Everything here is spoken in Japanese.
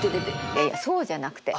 いやいやそうじゃなくて。